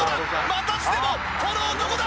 またしてもこの男だ！